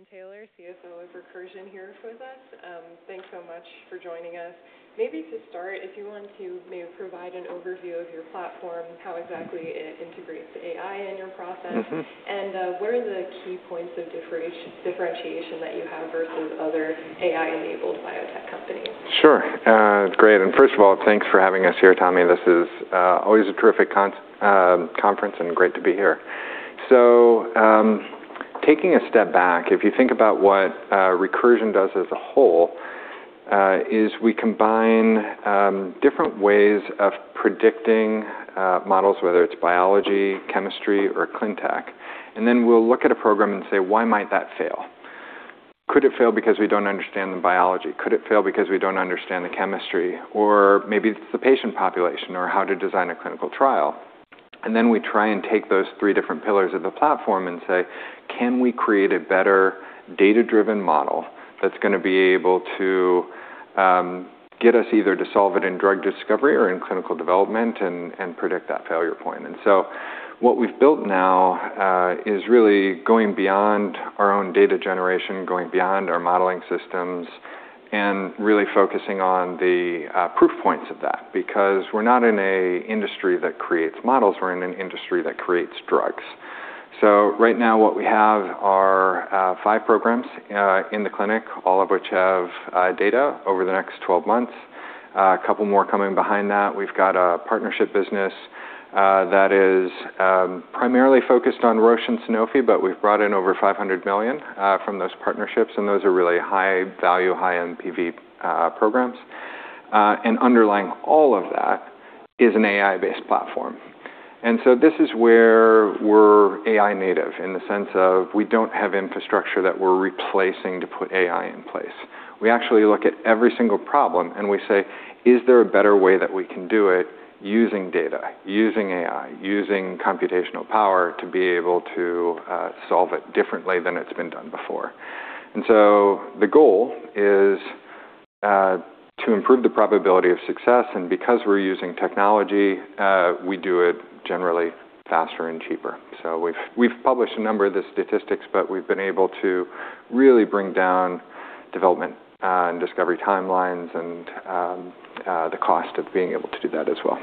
Ben Taylor, CFO of Recursion, here with us. Thanks so much for joining us. Maybe to start, if you want to maybe provide an overview of your platform, how exactly it integrates AI in your process. What are the key points of differentiation that you have versus other AI-enabled biotech companies? Sure. It's great. First of all, thanks for having us here, Tammy. This is always a terrific conference and great to be here. Taking a step back, if you think about what Recursion does as a whole, is we combine different ways of predicting models, whether it's biology, chemistry, or ClinTech. Then we'll look at a program and say, "Why might that fail? Could it fail because we don't understand the biology? Could it fail because we don't understand the chemistry? Maybe it's the patient population, or how to design a clinical trial." Then we try and take those three different pillars of the platform and say, "Can we create a better data-driven model that's going to be able to get us either to solve it in drug discovery or in clinical development and predict that failure point?" What we've built now is really going beyond our own data generation, going beyond our modeling systems, and really focusing on the proof points of that because we're not in a industry that creates models, we're in an industry that creates drugs. Right now what we have are five programs in the clinic, all of which have data over the next 12 months. A couple more coming behind that. We've got a partnership business that is primarily focused on Roche and Sanofi. We've brought in over $500 million from those partnerships, and those are really high value, high NPV programs. Underlying all of that is an AI-based platform. This is where we're AI native in the sense of we don't have infrastructure that we're replacing to put AI in place. We actually look at every single problem and we say, "Is there a better way that we can do it using data, using AI, using computational power to be able to solve it differently than it's been done before?" The goal is to improve the probability of success. Because we're using technology, we do it generally faster and cheaper. We've published a number of the statistics. We've been able to really bring down development and discovery timelines and the cost of being able to do that as well.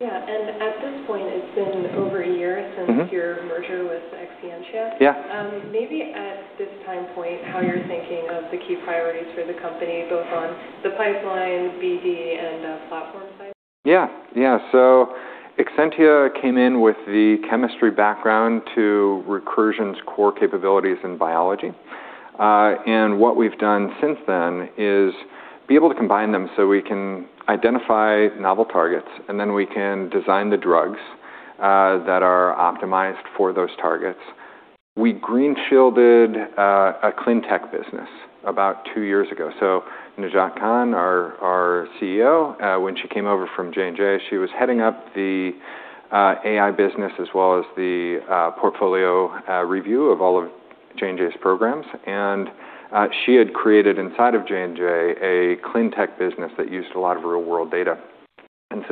Yeah. At this point, it's been over a year since- Your merger with Exscientia. Yeah. Maybe at this time point, how you're thinking of the key priorities for the company, both on the pipeline, BD, and platform side? Yeah. Exscientia came in with the chemistry background to Recursion's core capabilities in biology. What we've done since then is be able to combine them so we can identify novel targets, and then we can design the drugs that are optimized for those targets. We greenfielded a ClinTech business about two years ago. Najat Khan, our CEO, when she came over from J&J, she was heading up the AI business as well as the portfolio review of all of J&J's programs. She had created inside of J&J a ClinTech business that used a lot of real-world data.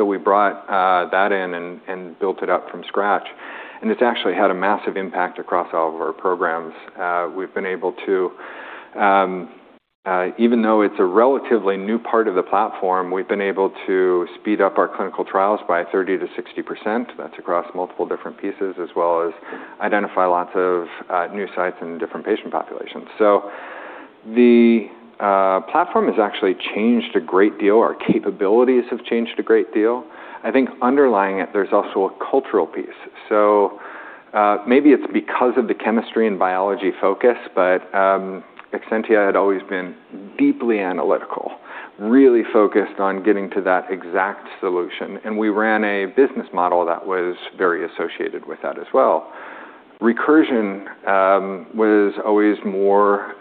We brought that in and built it up from scratch. It's actually had a massive impact across all of our programs. Even though it's a relatively new part of the platform, we've been able to speed up our clinical trials by 30%-60%. That's across multiple different pieces, as well as identify lots of new sites and different patient populations. The platform has actually changed a great deal. Our capabilities have changed a great deal. I think underlying it, there's also a cultural piece. Maybe it's because of the chemistry and biology focus, but Exscientia had always been deeply analytical, really focused on getting to that exact solution, and we ran a business model that was very associated with that as well. Recursion was always more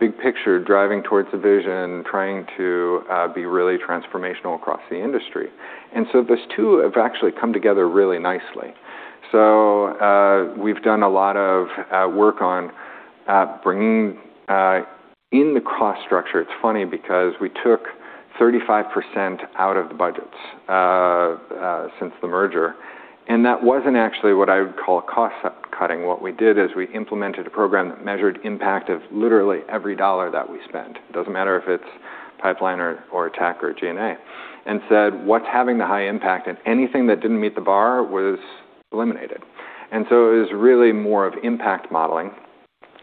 big picture, driving towards a vision, trying to be really transformational across the industry. Those two have actually come together really nicely. We've done a lot of work on bringing in the cost structure. It's funny because we took 35% out of the budgets since the merger, and that wasn't actually what I would call cost cutting. What we did is we implemented a program that measured impact of literally every dollar that we spent. It doesn't matter if it's pipeline or attack or G&A, and said, "What's having the high impact?" Anything that didn't meet the bar was eliminated. It was really more of impact modeling,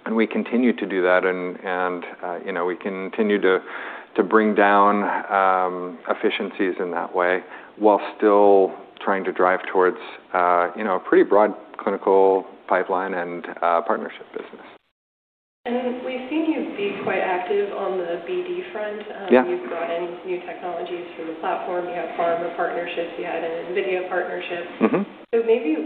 and we continue to do that, and we continue to bring down efficiencies in that way while still trying to drive towards a pretty broad clinical pipeline and partnership business. We've seen you be quite active on the BD front. Yeah. You've brought in new technologies through the platform. You have pharma partnerships. You had an NVIDIA partnership. Maybe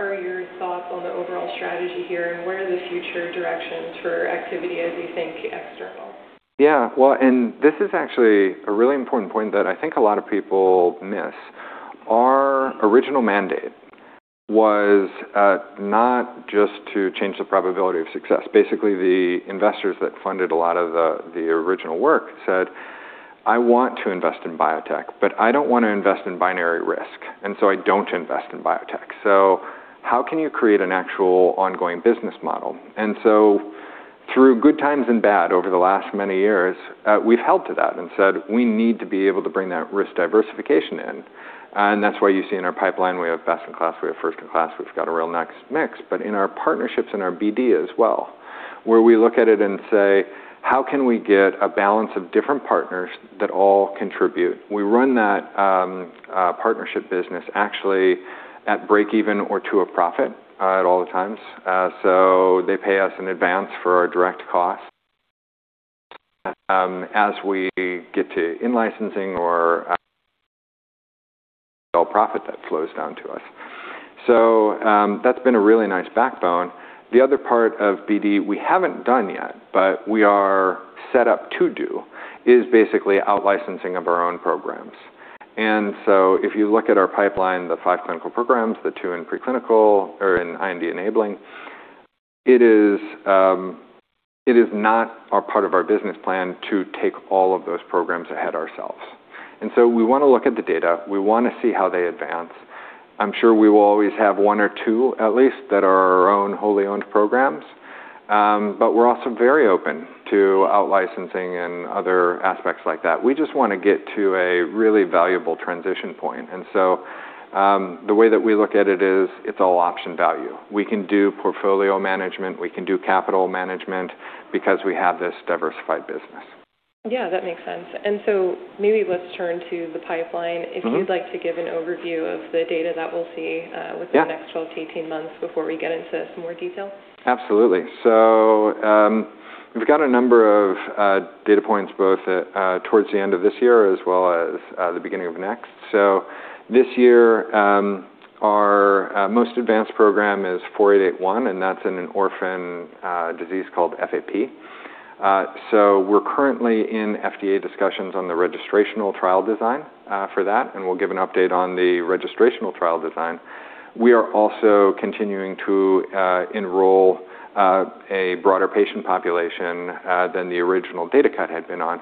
what are your thoughts on the overall strategy here, and what are the future directions for activity as you think external? Yeah. Well, this is actually a really important point that I think a lot of people miss. Our original mandate was not just to change the probability of success. Basically, the investors that funded a lot of the original work said I want to invest in biotech, but I don't want to invest in binary risk, and so I don't invest in biotech. How can you create an actual ongoing business model? Through good times and bad over the last many years, we've held to that and said we need to be able to bring that risk diversification in. That's why you see in our pipeline, we have best-in-class, we have first-in-class, we've got a real nice mix, but in our partnerships and our BD as well, where we look at it and say, "How can we get a balance of different partners that all contribute?" We run that partnership business actually at breakeven or to a profit at all times. They pay us in advance for our direct costs. As we get to in-licensing or all profit that flows down to us. That's been a really nice backbone. The other part of BD we haven't done yet, but we are set up to do, is basically out-licensing of our own programs. If you look at our pipeline, the five clinical programs, the two in preclinical or in IND-enabling, it is not a part of our business plan to take all of those programs ahead ourselves. We want to look at the data. We want to see how they advance. I'm sure we will always have one or two, at least, that are our own wholly owned programs, but we're also very open to out-licensing and other aspects like that. We just want to get to a really valuable transition point. The way that we look at it is, it's all option value. We can do portfolio management, we can do capital management because we have this diversified business. Yeah, that makes sense. Maybe let's turn to the pipeline. If you'd like to give an overview of the data that we'll see. Yeah. The next 12-18 months before we get into some more detail. Absolutely. We've got a number of data points, both towards the end of this year as well as the beginning of next. This year, our most advanced program is 4881, and that's in an orphan disease called FAP. We're currently in FDA discussions on the registrational trial design for that, and we'll give an update on the registrational trial design. We are also continuing to enroll a broader patient population than the original data cut had been on.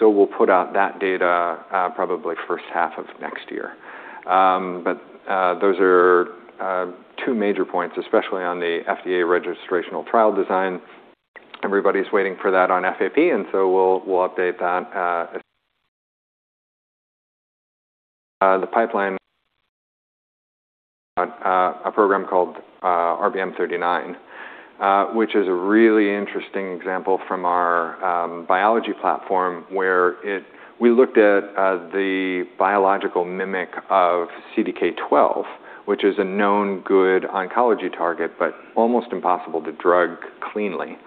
We'll put out that data probably first half of next year. Those are two major points, especially on the FDA registrational trial design. Everybody's waiting for that on FAP. We'll update that. The pipeline, a program called RBM39, which is a really interesting example from our biology platform where we looked at the biological mimic of CDK12, which is a known good oncology target, but almost impossible to drug cleanly.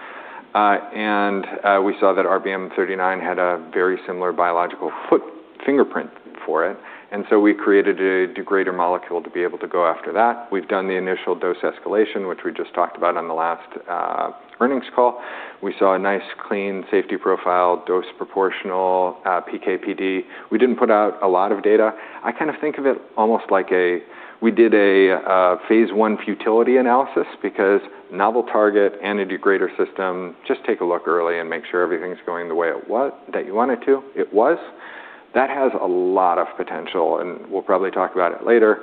We saw that RBM39 had a very similar biological foot fingerprint for it. We created a degrader molecule to be able to go after that. We've done the initial dose escalation, which we just talked about on the last earnings call. We saw a nice clean safety profile, dose proportional PK/PD. We didn't put out a lot of data. I kind of think of it almost like we did a phase I futility analysis because novel target and a degrader system, just take a look early and make sure everything's going the way that you want it to. It was. That has a lot of potential. We'll probably talk about it later,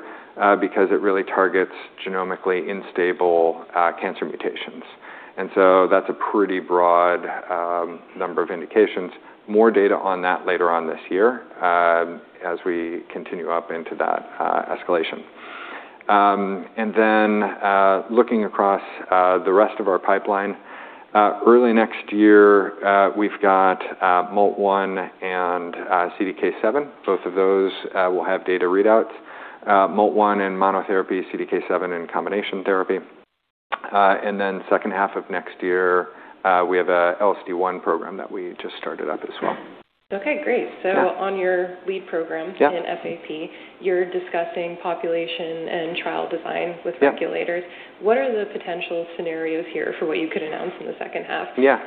because it really targets genomically unstable cancer mutations. That's a pretty broad number of indications. More data on that later on this year as we continue up into that escalation. Looking across the rest of our pipeline, early next year, we've got MALT1 and CDK7. Both of those will have data readouts, MALT1 in monotherapy, CDK7 in combination therapy. Second half of next year, we have a LSD1 program that we just started up as well. Okay, great. Yeah. On your lead program. Yeah. In FAP, you're discussing population and trial design with regulators. Yeah. What are the potential scenarios here for what you could announce in the second half? Yeah.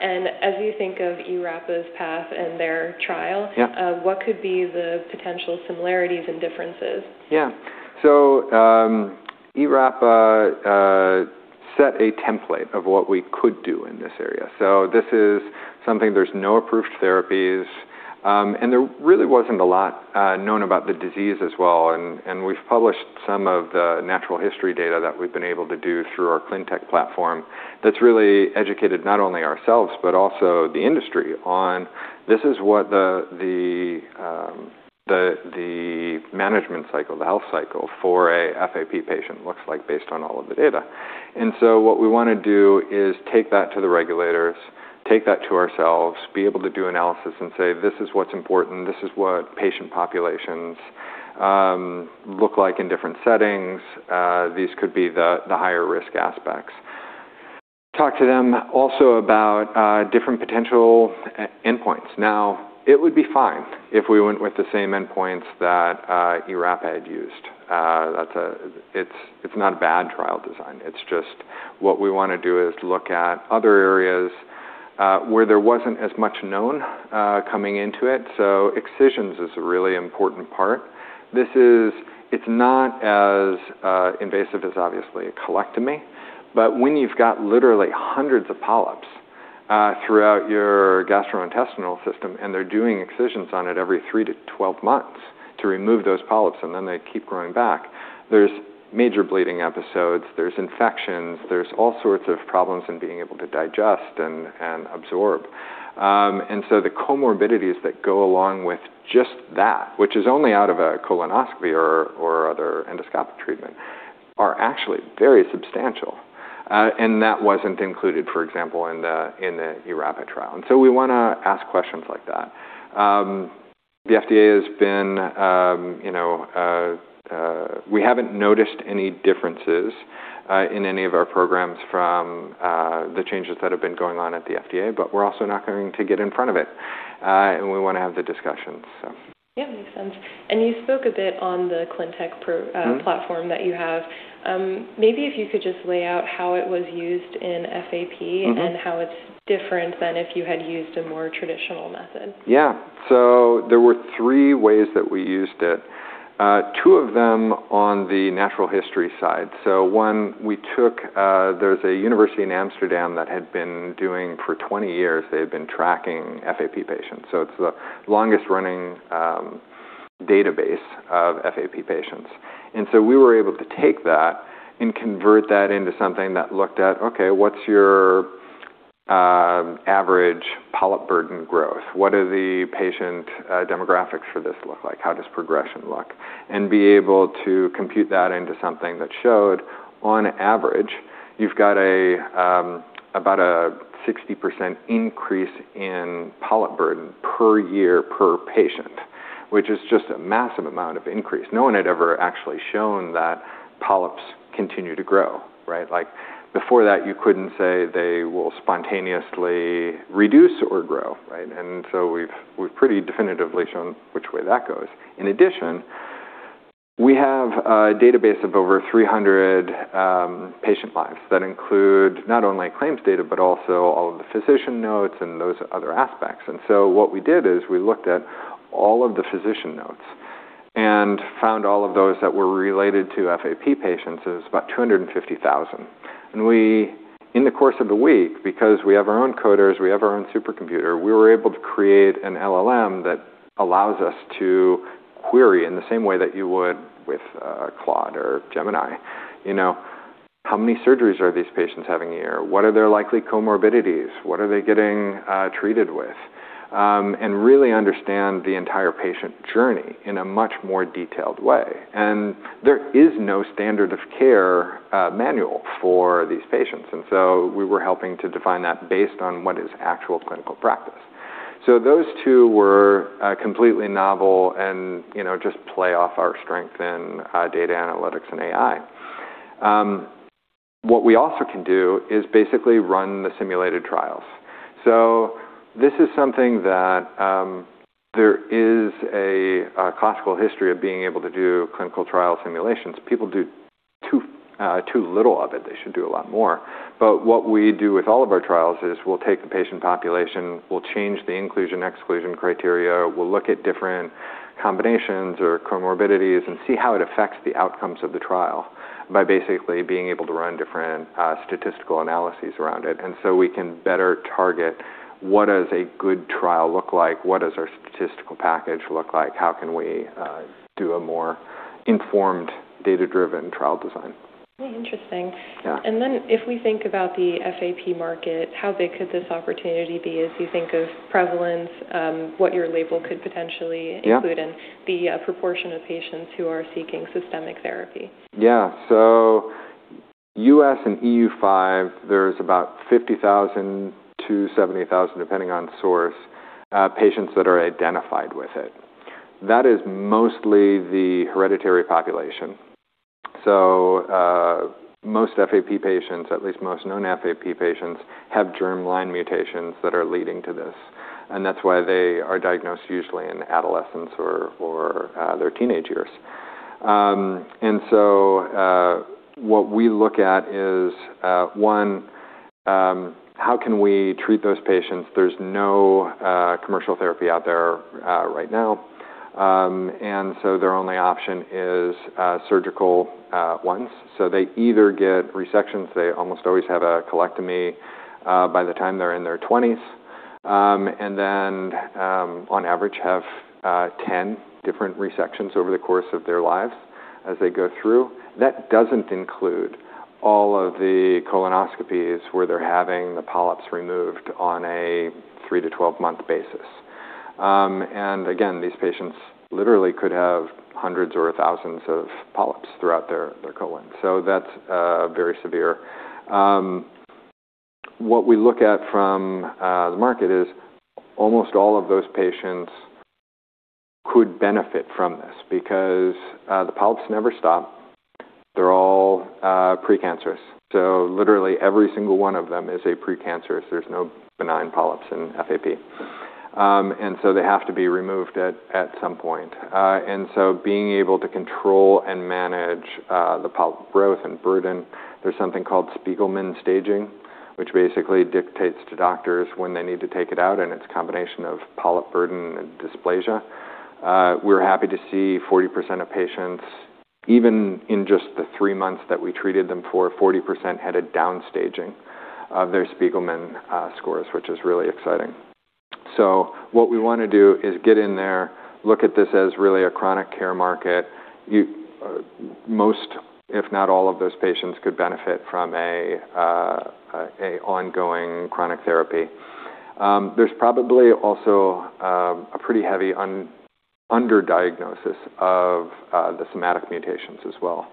As you think of eRapa's path and their trial. Yeah What could be the potential similarities and differences? Yeah. eRapa set a template of what we could do in this area. This is something, there's no approved therapies, and there really wasn't a lot known about the disease as well, and we've published some of the natural history data that we've been able to do through our ClinTech platform that's really educated not only ourselves, but also the industry on this is what the management cycle, the health cycle for a FAP patient looks like based on all of the data. What we want to do is take that to the regulators, take that to ourselves, be able to do analysis and say, "This is what's important. This is what patient populations look like in different settings. These could be the higher risk aspects." Talk to them also about different potential endpoints. Now, it would be fine if we went with the same endpoints that eRapa had used. It's not a bad trial design. It's just what we want to do is look at other areas where there wasn't as much known coming into it, so excisions is a really important part. It's not as invasive as, obviously, a colectomy. But when you've got literally hundreds of polyps throughout your gastrointestinal system, and they're doing excisions on it every 3-12 months to remove those polyps, and then they keep growing back, there's major bleeding episodes, there's infections, there's all sorts of problems in being able to digest and absorb. The comorbidities that go along with just that, which is only out of a colonoscopy or other endoscopic treatment, are actually very substantial. That wasn't included, for example, in the eRapa trial. We want to ask questions like that. The FDA, we haven't noticed any differences in any of our programs from the changes that have been going on at the FDA, but we're also not going to get in front of it. We want to have the discussions. Yeah, makes sense. You spoke a bit on the ClinTech platform that you have. Maybe if you could just lay out how it was used in FAP- How it's different than if you had used a more traditional method. Yeah. There were three ways that we used it, two of them on the natural history side. One, there's a university in Amsterdam that had been doing, for 20 years, they had been tracking FAP patients, so it's the longest running database of FAP patients. We were able to take that and convert that into something that looked at, okay, what's your average polyp burden growth? What are the patient demographics for this look like? How does progression look? Be able to compute that into something that showed, on average, you've got about a 60% increase in polyp burden per year per patient, which is just a massive amount of increase. No one had ever actually shown that polyps continue to grow. Before that, you couldn't say they will spontaneously reduce or grow. We've pretty definitively shown which way that goes. In addition, we have a database of over 300 patient lives that include not only claims data, but also all of the physician notes and those other aspects. What we did is we looked at all of the physician notes and found all of those that were related to FAP patients. It was about 250,000. We, in the course of the week, because we have our own coders, we have our own supercomputer, we were able to create an LLM that allows us to query in the same way that you would with Claude or Gemini. How many surgeries are these patients having a year? What are their likely comorbidities? What are they getting treated with? Really understand the entire patient journey in a much more detailed way. There is no standard of care manual for these patients, and so we were helping to define that based on what is actual clinical practice. Those two were completely novel and just play off our strength in data analytics and AI. What we also can do is basically run the simulated trials. This is something that there is a classical history of being able to do clinical trial simulations. People do too little of it. They should do a lot more. What we do with all of our trials is we'll take the patient population, we'll change the inclusion exclusion criteria, we'll look at different combinations or comorbidities and see how it affects the outcomes of the trial by basically being able to run different statistical analyses around it. We can better target what does a good trial look like? What does our statistical package look like? How can we do a more informed data-driven trial design? Interesting. Yeah. If we think about the FAP market, how big could this opportunity be as you think of prevalence, what your label could potentially include. Yeah. The proportion of patients who are seeking systemic therapy? U.S. and EU5, there's about 50,000-70,000, depending on source, patients that are identified with it. That is mostly the hereditary population. Most FAP patients, at least most known FAP patients, have germline mutations that are leading to this, and that's why they are diagnosed usually in adolescence or their teenage years. What we look at is one, how can we treat those patients? There's no commercial therapy out there right now. Their only option is surgical ones. They either get resections, they almost always have a colectomy by the time they're in their 20s, then on average have 10 different resections over the course of their lives as they go through. That doesn't include all of the colonoscopies where they're having the polyps removed on a 3-12 month basis. Again, these patients literally could have hundreds or thousands of polyps throughout their colon, so that's very severe. What we look at from the market is almost all of those patients could benefit from this because the polyps never stop. They're all pre-cancerous. Literally every single one of them is a pre-cancerous. There's no benign polyps in FAP. They have to be removed at some point. Being able to control and manage the polyp growth and burden, there's something called Spigelman staging, which basically dictates to doctors when they need to take it out, and it's a combination of polyp burden and dysplasia. We're happy to see 40% of patients, even in just the three months that we treated them for, 40% had a downstaging of their Spigelman scores, which is really exciting. What we want to do is get in there, look at this as really a chronic care market. Most, if not all of those patients could benefit from an ongoing chronic therapy. There's probably also a pretty heavy under-diagnosis of the somatic mutations as well.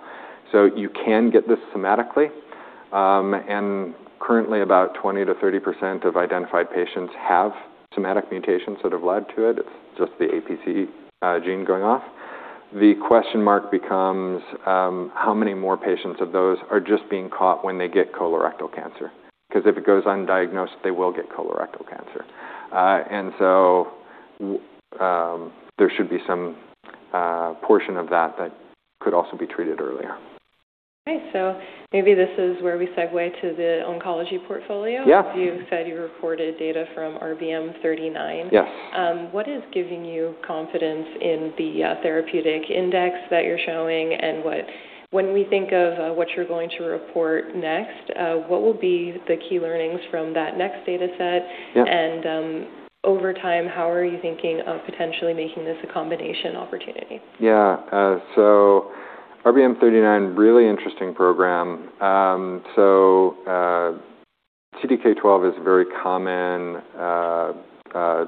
You can get this somatically, and currently about 20%-30% of identified patients have somatic mutations that have led to it. It's just the APC gene going off. The question mark becomes how many more patients of those are just being caught when they get colorectal cancer, because if it goes undiagnosed, they will get colorectal cancer. There should be some portion of that that could also be treated earlier. Okay, maybe this is where we segue to the oncology portfolio. Yeah. You said you recorded data from RBM39. Yes. What is giving you confidence in the therapeutic index that you're showing, when we think of what you're going to report next, what will be the key learnings from that next data set? Yeah. Over time, how are you thinking of potentially making this a combination opportunity? Yeah. RBM39, really interesting program. CDK12 is very common,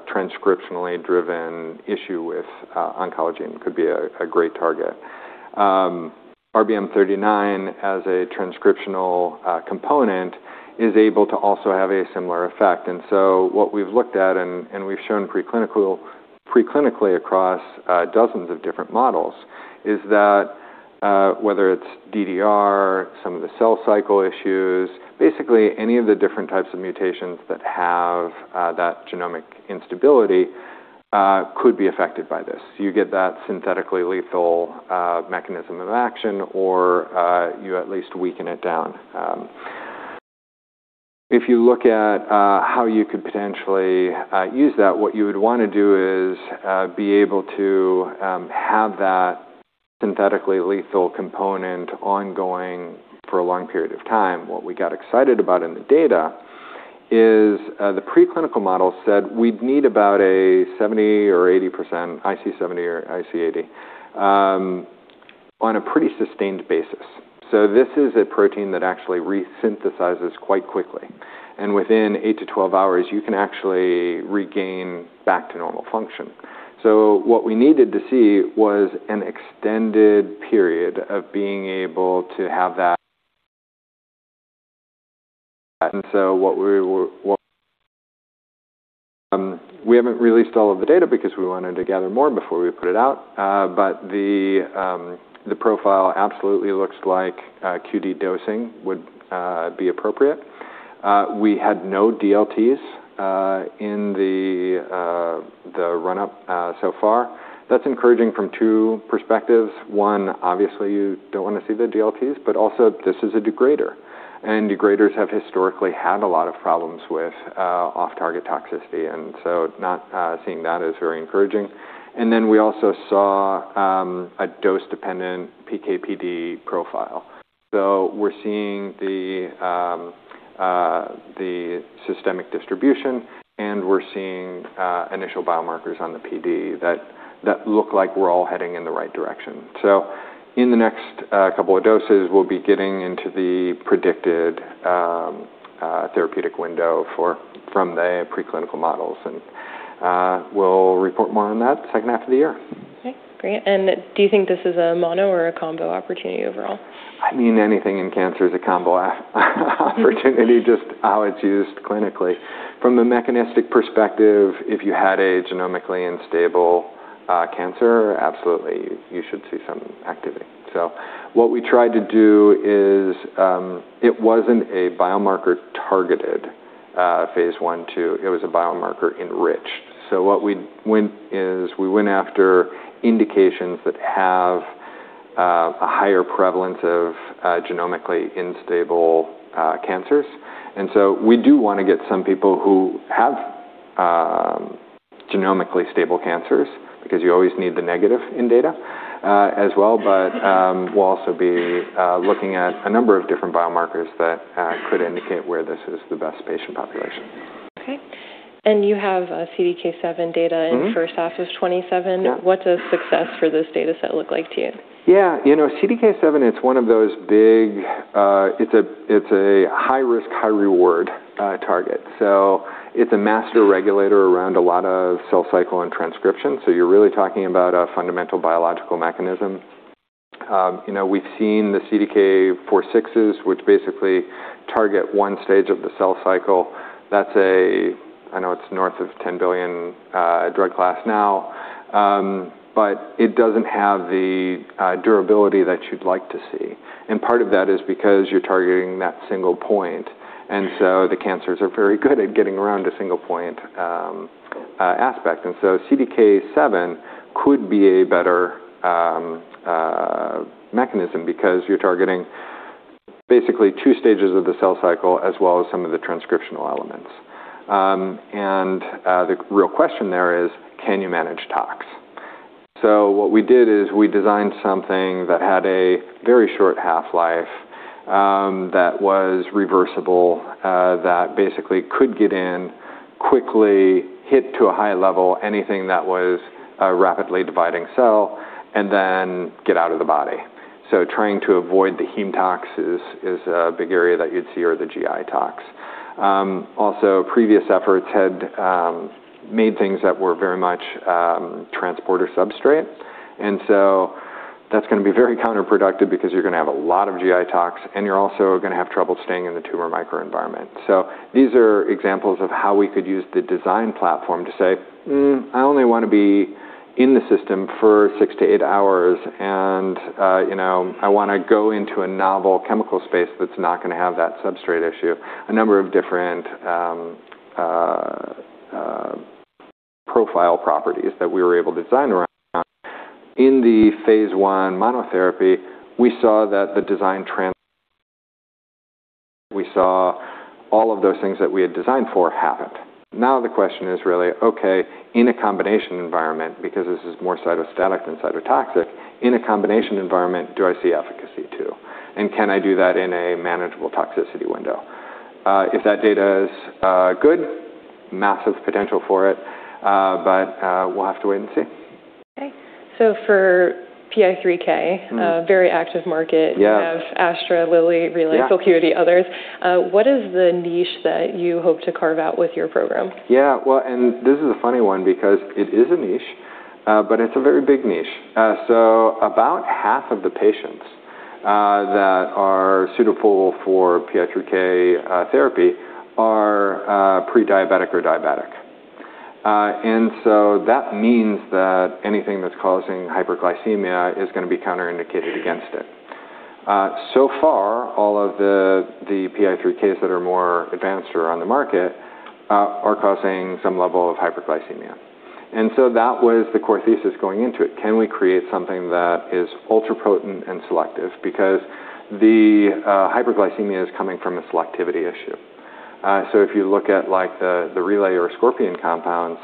transcriptionally driven issue with oncology and could be a great target. RBM39 as a transcriptional component is able to also have a similar effect. What we've looked at, and we've shown preclinically across dozens of different models, is that whether it's DDR, some of the cell cycle issues, basically any of the different types of mutations that have that genomic instability could be affected by this. You get that synthetically lethal mechanism of action, or you at least weaken it down. If you look at how you could potentially use that, what you would want to do is be able to have that synthetically lethal component ongoing for a long period of time. What we got excited about in the data is the preclinical model said we'd need about a 70% or 80%, IC70 or IC80, on a pretty sustained basis. This is a protein that actually resynthesizes quite quickly, and within 8-12 hours, you can actually regain back to normal function. What we needed to see was an extended period of being able to have that. We haven't released all of the data because we wanted to gather more before we put it out. The profile absolutely looks like QD dosing would be appropriate. We had no DLTs in the run-up so far. That's encouraging from two perspectives. One, obviously, you don't want to see the DLTs, but also this is a degrader, and degraders have historically had a lot of problems with off-target toxicity, and so not seeing that is very encouraging. We also saw a dose-dependent PK/PD profile. We're seeing the systemic distribution, and we're seeing initial biomarkers on the PD that look like we're all heading in the right direction. In the next couple of doses, we'll be getting into the predicted therapeutic window from the preclinical models, and we'll report more on that second half of the year. Okay, great. Do you think this is a mono or a combo opportunity overall? I mean, anything in cancer is a combo opportunity, just how it's used clinically. From a mechanistic perspective, if you had a genomically unstable cancer, absolutely, you should see some activity. What we tried to do is, it wasn't a biomarker-targeted phase I/II. It was a biomarker enriched. What we went is we went after indications that have a higher prevalence of genomically unstable cancers. We do want to get some people who have genomically stable cancers, because you always need the negative in data as well. We'll also be looking at a number of different biomarkers that could indicate where this is the best patient population. Okay. You have CDK7 data- In first half of 2027. Yeah. What does success for this data set look like to you? Yeah. CDK7, it's a high-risk, high-reward target. It's a master regulator around a lot of cell cycle and transcription, so you're really talking about a fundamental biological mechanism. We've seen the CDK4/6s, which basically target one stage of the cell cycle. That's a, I know it's north of $10 billion drug class now, but it doesn't have the durability that you'd like to see. Part of that is because you're targeting that single point, and the cancers are very good at getting around a single point aspect. CDK7 could be a better mechanism because you're targeting basically two stages of the cell cycle, as well as some of the transcriptional elements. The real question there is: can you manage tox? What we did is we designed something that had a very short half-life, that was reversible, that basically could get in quickly, hit to a high level anything that was a rapidly dividing cell, and then get out of the body. Trying to avoid the heme tox is a big area that you'd see, or the GI tox. Also, previous efforts had made things that were very much transporter substrate, that's going to be very counterproductive because you're going to have a lot of GI tox, and you're also going to have trouble staying in the tumor microenvironment. These are examples of how we could use the design platform to say, "Mm, I only want to be in the system for six to eight hours, and I want to go into a novel chemical space that's not going to have that substrate issue." A number of different profile properties that we were able to design around. In the phase I monotherapy, we saw that the design. We saw all of those things that we had designed for happened. The question is really, okay, in a combination environment, because this is more cytostatic than cytotoxic, in a combination environment, do I see efficacy too? Can I do that in a manageable toxicity window? If that data is good, massive potential for it, we'll have to wait and see. Okay. For PI3K- A very active market. Yeah. You have Astra, Lilly, Relay- Yeah. others. What is the niche that you hope to carve out with your program? Yeah. Well, this is a funny one because it is a niche, but it's a very big niche. About half of the patients that are suitable for PI3K therapy are pre-diabetic or diabetic. That means that anything that's causing hyperglycemia is going to be counterindicated against it. Far, all of the PI3Ks that are more advanced or are on the market are causing some level of hyperglycemia. That was the core thesis going into it. Can we create something that is ultra-potent and selective because the hyperglycemia is coming from a selectivity issue? If you look at the Relay or Scorpion compounds,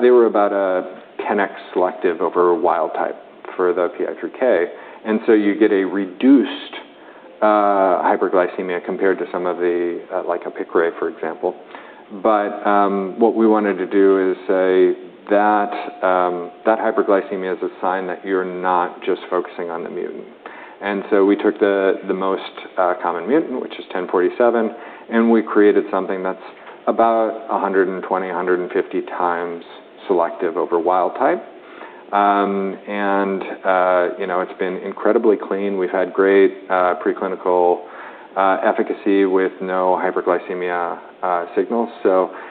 they were about a 10x selective over wild type for the PI3K, and so you get a reduced hyperglycemia compared to some of the, like a Piqray, for example. What we wanted to do is say that hyperglycemia is a sign that you're not just focusing on the mutant. We took the most common mutant, which is 1047, and we created something that's about 120, 150 times selective over wild type. It's been incredibly clean. We've had great preclinical efficacy with no hyperglycemia signals.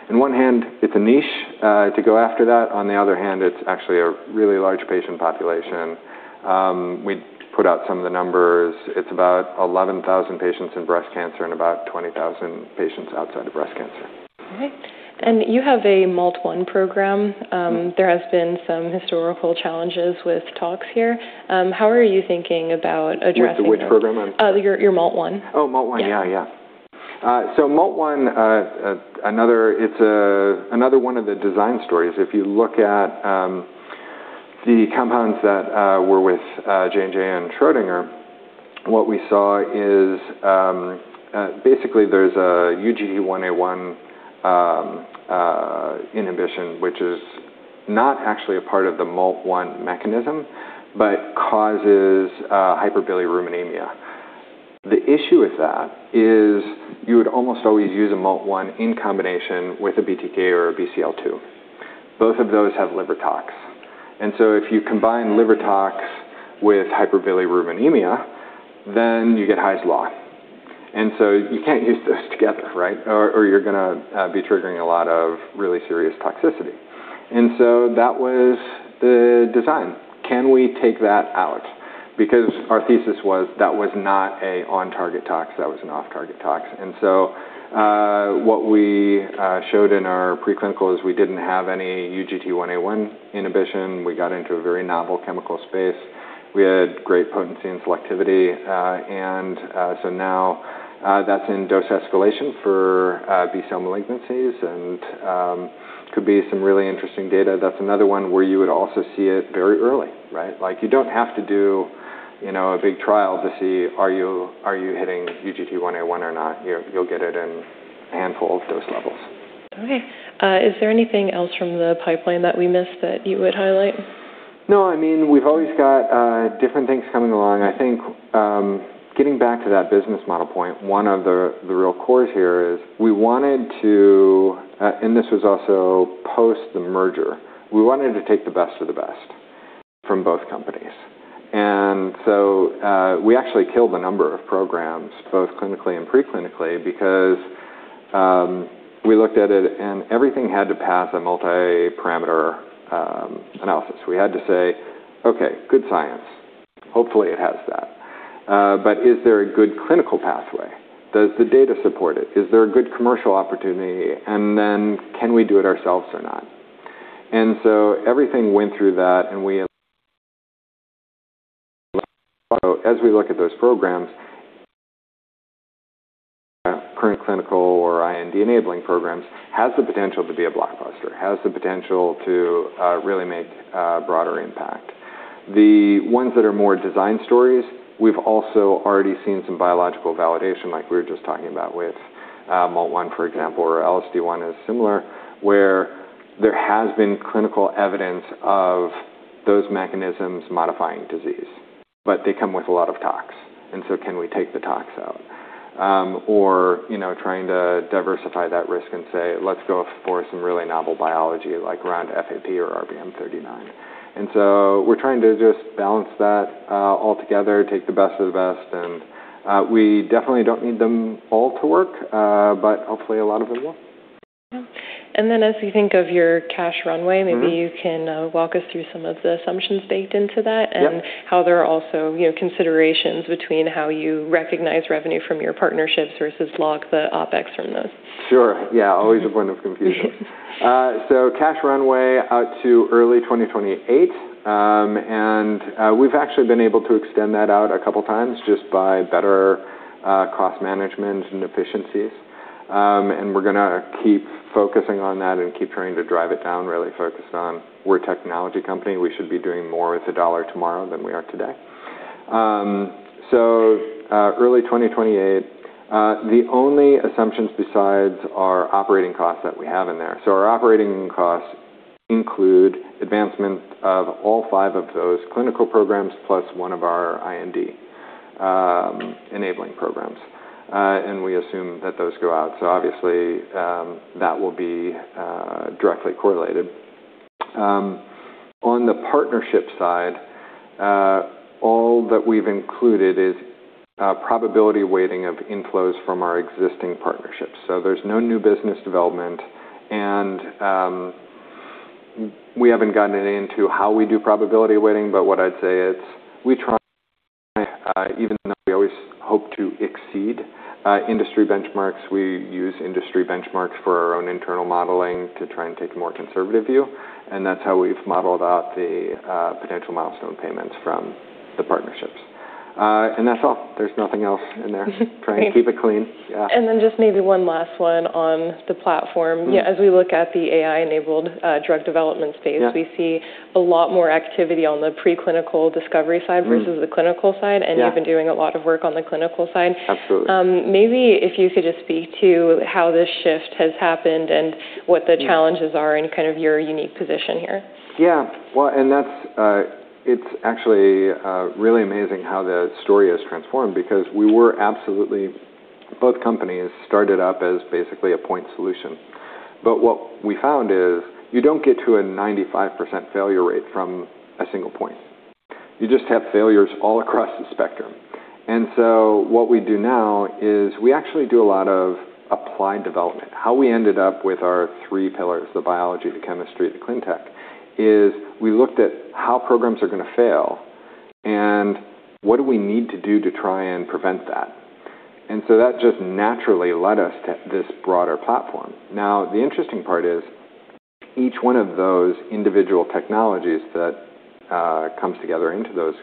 On one hand, it's a niche to go after that. On the other hand, it's actually a really large patient population. We put out some of the numbers. It's about 11,000 patients in breast cancer and about 20,000 patients outside of breast cancer. Okay. You have a MALT1 program. There has been some historical challenges with tox here. How are you thinking about addressing those? With which program? Your MALT1. Oh, MALT1. Yeah. Yeah. MALT1, it's another one of the design stories. If you look at the compounds that were with J&J and Schrödinger, what we saw is basically there's a UGT1A1 inhibition, which is not actually a part of the MALT1 mechanism, but causes hyperbilirubinemia. The issue with that is you would almost always use a MALT1 in combination with a BTK or a BCL-2. Both of those have liver tox. If you combine liver tox with hyperbilirubinemia, then you get Hy's law. You can't use those together, right? Or you're going to be triggering a lot of really serious toxicity. That was the design. Can we take that out? Because our thesis was that was not a on-target tox, that was an off-target tox. What we showed in our preclinical is we didn't have any UGT1A1 inhibition. We got into a very novel chemical space. We had great potency and selectivity. Now that's in dose escalation for B-cell malignancies, and could be some really interesting data. That's another one where you would also see it very early, right? You don't have to do a big trial to see, are you hitting UGT1A1 or not? You'll get it in a handful of dose levels. Okay. Is there anything else from the pipeline that we missed that you would highlight? No, we've always got different things coming along. I think getting back to that business model point, one of the real cores here is we wanted to. This was also post the merger. We wanted to take the best of the best from both companies. We actually killed a number of programs, both clinically and preclinically, because we looked at it and everything had to pass a multi-parameter analysis. We had to say, "Okay, good science. Hopefully, it has that. Is there a good clinical pathway? Does the data support it? Is there a good commercial opportunity? Can we do it ourselves or not?" Everything went through that. As we look at those programs, current clinical or IND-enabling programs, has the potential to be a blockbuster, has the potential to really make a broader impact. The ones that are more design stories, we've also already seen some biological validation, like we were just talking about with MALT1, for example, or LSD1 is similar, where there has been clinical evidence of those mechanisms modifying disease. They come with a lot of tox. Can we take the tox out? Trying to diversify that risk and say, "Let's go for some really novel biology, like around FAP or RBM39." We're trying to just balance that all together, take the best of the best, and we definitely don't need them all to work, but hopefully a lot of them will. Yeah. As you think of your cash runway- Maybe you can walk us through some of the assumptions baked into that. Yep. How there are also considerations between how you recognize revenue from your partnerships versus log the OpEx from those. Sure. Yeah. Always a point of confusion. Cash runway out to early 2028, and we've actually been able to extend that out a couple times just by better cost management and efficiencies. We're going to keep focusing on that and keep trying to drive it down, really focused on we're a technology company, we should be doing more with a dollar tomorrow than we are today. Early 2028. The only assumptions besides our operating costs that we have in there, our operating costs include advancement of all five of those clinical programs, plus one of our IND-enabling programs. We assume that those go out, obviously, that will be directly correlated. On the partnership side, all that we've included is probability weighting of inflows from our existing partnerships, so there's no new business development, and we haven't gotten into how we do probability weighting, but what I'd say is we try, even though we always hope to exceed industry benchmarks, we use industry benchmarks for our own internal modeling to try and take a more conservative view, and that's how we've modeled out the potential milestone payments from the partnerships. That's all. There's nothing else in there. Great. Trying to keep it clean. Yeah. Just maybe one last one on the platform. As we look at the AI-enabled drug development space, Yeah. We see a lot more activity on the preclinical discovery side. Versus the clinical side. Yeah. You've been doing a lot of work on the clinical side. Absolutely. Maybe if you could just speak to how this shift has happened and what the challenges are and kind of your unique position here. Well, it's actually really amazing how the story has transformed because we were absolutely, both companies started up as basically a point solution. What we found is you don't get to a 95% failure rate from a single point. You just have failures all across the spectrum. What we do now is we actually do a lot of applied development. How we ended up with our three pillars, the biology, the chemistry, the ClinTech, is we looked at how programs are going to fail and what do we need to do to try and prevent that. That just naturally led us to this broader platform. Now, the interesting part is each one of those individual technologies that comes together into those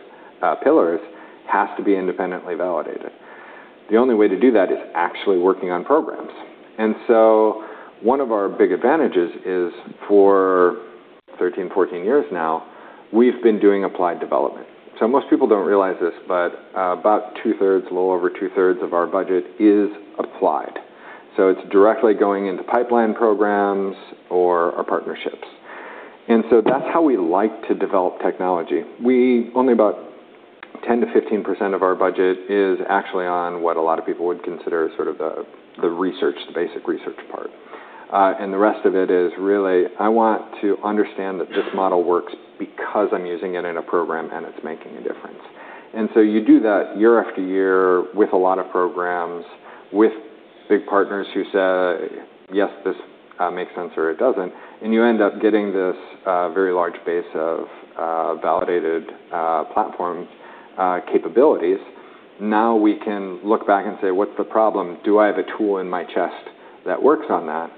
pillars has to be independently validated. The only way to do that is actually working on programs. One of our big advantages is for 13, 14 years now, we've been doing applied development. Most people don't realize this, but about 2/3, a little over 2/3 of our budget is applied, so it's directly going into pipeline programs or our partnerships. That's how we like to develop technology. Only about 10%-15% of our budget is actually on what a lot of people would consider sort of the research, the basic research part. The rest of it is really, I want to understand that this model works because I'm using it in a program and it's making a difference. You do that year after year with a lot of programs, with big partners who say, "Yes, this makes sense," or, "It doesn't," and you end up getting this very large base of validated platform capabilities. Now we can look back and say, "What's the problem? Do I have a tool in my chest that works on that?"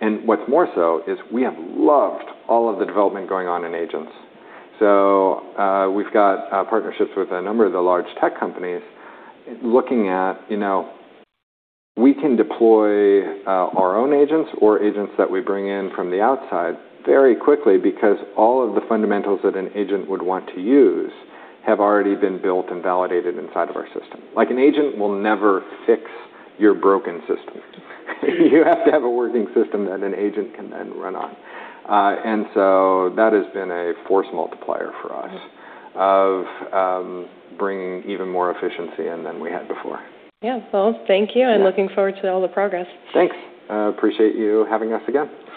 What's more so is we have loved all of the development going on in agents. We've got partnerships with a number of the large tech companies looking at we can deploy our own agents or agents that we bring in from the outside very quickly because all of the fundamentals that an agent would want to use have already been built and validated inside of our system. Like an agent will never fix your broken system. You have to have a working system that an agent can then run on. That has been a force multiplier for us of bringing even more efficiency in than we had before. Yeah. Well, thank you. Yeah. Looking forward to all the progress. Thanks. Appreciate you having us again.